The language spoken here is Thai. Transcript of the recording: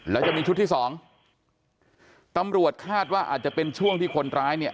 แล้วจะมีชุดที่สองตำรวจคาดว่าอาจจะเป็นช่วงที่คนร้ายเนี่ย